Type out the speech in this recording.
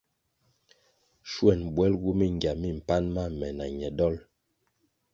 Schwen bwelgu mingya mi mpan ma me na ñe dol.